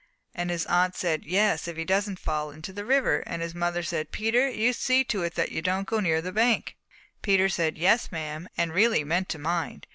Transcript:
And his aunt said, 'Yes, if he doesn't fall into the river,' and his mother said, 'Peter, you see to it that you don't go near the bank.' "Peter said 'yes, ma'am,' and really meant to mind.